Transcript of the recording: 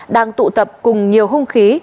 đang tụ tập cùng nhiều hung khí